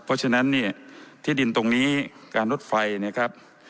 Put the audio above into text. เพราะฉะนั้นเนี่ยที่ดินตรงนี้การรถไฟนะครับ